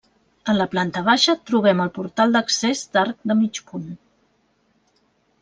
En la planta baixa trobem el portal d'accés d'arc de mig punt.